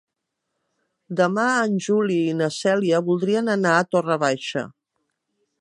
Demà en Juli i na Cèlia voldrien anar a Torre Baixa.